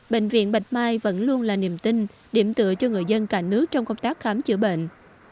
bệnh viện bạch mai vẫn luôn là niềm tin điểm tựa cho người dân cả nước trong công tác khám chữa bệnh